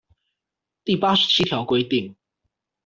第八十七條規定